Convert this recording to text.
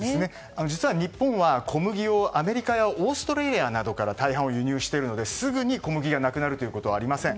実は、日本は小麦をアメリカやオーストラリアなどから大半を輸入しているのですぐに小麦がなくなることはありません。